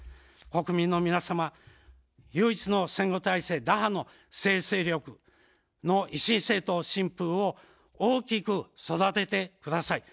国民の皆様、唯一の戦後体制打破の政治勢力の維新政党・新風を大きく育ててください。